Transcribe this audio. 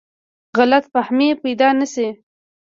غلط فهمۍ پیدا نه شي.